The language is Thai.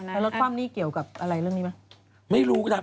แล้วรถความนี่เกี่ยวกับอะไรเรื่องนี้ไหม